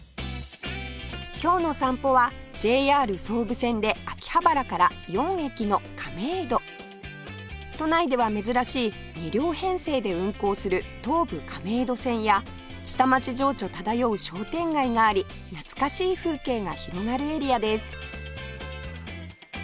今日の散歩は ＪＲ 総武線で秋葉原から４駅の亀戸都内では珍しい２両編成で運行する東武亀戸線や下町情緒漂う商店街があり懐かしい風景が広がるエリアです